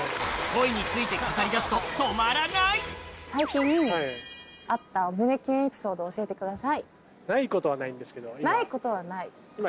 最近あった胸キュンエピソードを教えてください。